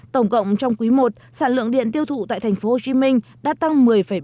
tổng cộng trong quý i sản lượng điện tiêu thụ tại tp hcm đã tăng một mươi bảy mươi chín